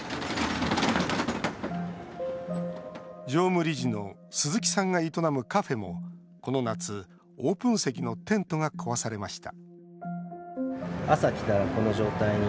常務理事の鈴木さんが営むカフェもこの夏、オープン席のテントが壊されました